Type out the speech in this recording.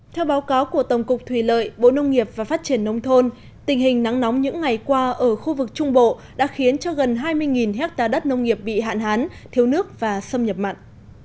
theo báo cáo của tổng cục thủy lợi bộ nông nghiệp và phát triển nông thôn tình hình nắng nóng những ngày qua ở khu vực trung bộ đã khiến cho gần hai mươi hectare đất nông nghiệp bị hạn hán thiếu nước và xâm nhập mặn